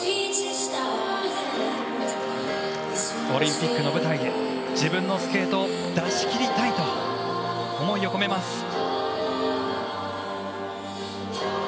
オリンピックの舞台で自分のスケートを出し切りたいと思いを込めます。